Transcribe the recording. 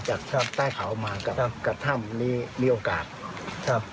จากครับใต้เขามากับครับกับถ้ำนี้มีโอกาสครับ